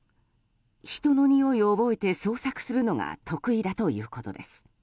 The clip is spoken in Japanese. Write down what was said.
人のにおいを覚えて捜索するのが得意だということです。